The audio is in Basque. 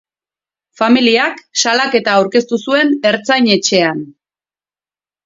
Familiak salaketa aurkeztu zuen ertzain-etxean.